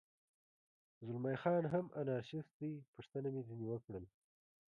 زلمی خان هم انارشیست دی، پوښتنه مې ځنې وکړل.